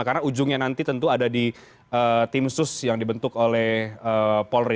karena ujungnya nanti tentu ada di tim sus yang dibentuk oleh polri